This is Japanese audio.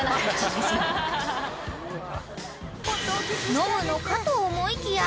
［飲むのかと思いきや］